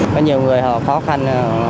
có nhiều người họ khó khăn